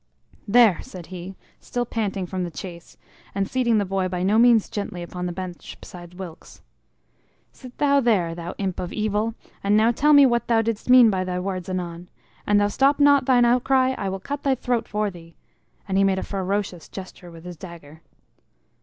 "There!" said he, still panting from the chase and seating the boy by no means gently upon the bench beside Wilkes. "Sit thou there, thou imp of evil! And now tell me what thou didst mean by thy words anon an thou stop not thine outcry, I will cut thy throat for thee," and he made a ferocious gesture with his dagger.